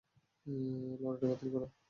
লড়াইটা বাতিল কর।